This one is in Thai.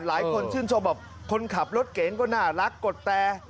หลายคนคิดชมเอาคนขับรถเก๋นก็น่ารักกดแต๊ะ